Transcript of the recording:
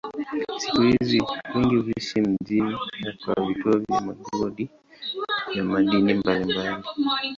Siku hizi wengi huishi mjini na kwenye vituo vya migodi ya madini mbalimbali.